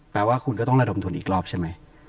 แปลว่าคุณก็ต้องระดมทุนอีกรอบใช่ไหม